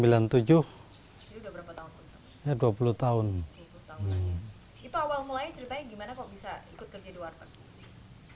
itu awal mulanya ceritanya gimana kok bisa ikut kerja di warteg